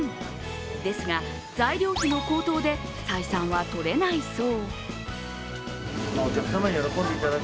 ですが材料費の高騰で、採算はとれないそう。